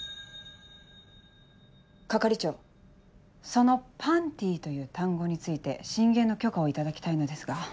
係長その「パンティ」という単語について進言の許可を頂きたいのですが。